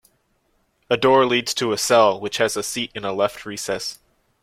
A door leads to a cell, which has a seat in a left recess.